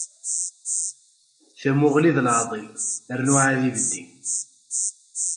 Tamuɣli d leɛḍil, rnu ɛad ibeddi.